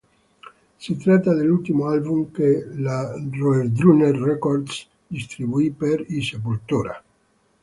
Si tratta dell'ultimo album che la Roadrunner Records distribuì per i Sepultura.